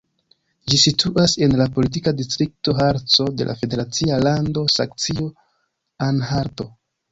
Ĝi situas en la politika distrikto Harco de la federacia lando Saksio-Anhalto.